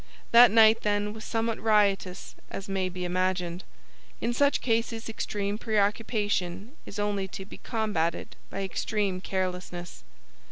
That night, then, was somewhat riotous, as may be imagined. In such cases extreme preoccupation is only to be combated by extreme carelessness.